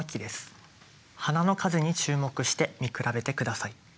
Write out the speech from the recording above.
花の数に注目して見比べて下さい。